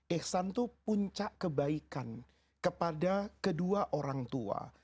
iksan itu puncak kebaikan kepada kedua orang tua